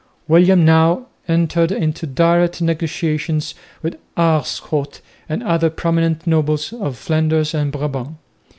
William now entered into direct negotiations with Aerschot and other prominent nobles of Flanders and Brabant.